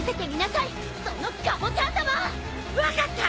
分かった！